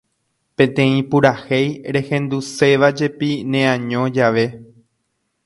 Peteĩ purahéi rehendusévajepi ne año jave